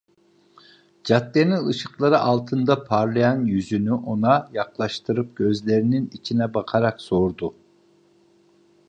Caddenin ışıkları altında parlayan yüzünü ona yaklaştırıp gözlerinin içine bakarak sordu: